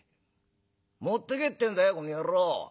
持ってけってんだよこの野郎。